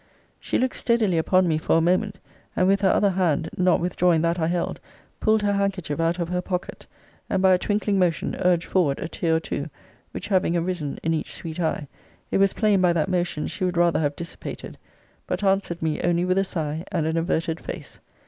She looked steadily upon me for a moment, and with her other hand, not withdrawing that I held, pulled her handkerchief out of her pocket; and by a twinkling motion urged forward a tear or two, which having arisen in each sweet eye, it was plain by that motion she would rather have dissipated: but answered me only with a sigh, and an averted face.